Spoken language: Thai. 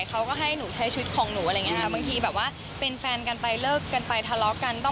เปิดปากบอกว่ารู้สึกสบายใจนะที่จากนี้ไปเนี่ยจะสามารถลงรูปคู่กับพี่ชายได้แบบเปิดเผยจ้า